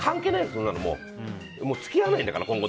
どうせ付き合わないんだから。